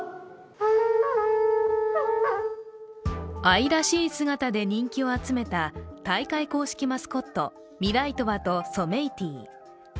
愛らしい姿で人気を集めた大会公式マスコット、ミライトワとソメイティ。